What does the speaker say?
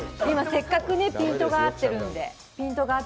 今、せっかくピントが合ってるので。